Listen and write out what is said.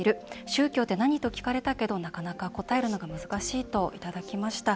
宗教って何？と聞かれたけどなかなか答えるのが難しいといただきました。